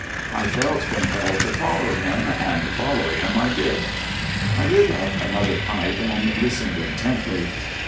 I felt compelled to follow him, and follow him I did." I lit up another pipe and listened intently.